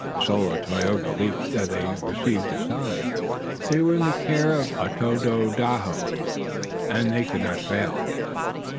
The soul of Tayoga leaped up. They had received a sign. They were in the care of Tododaho and they could not fail.